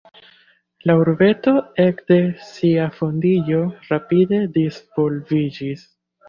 La urbeto ekde sia fondiĝo rapide disvolviĝis.